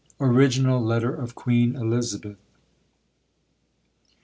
ORIGINAL LETTER OF QUEEN ELIZABETH.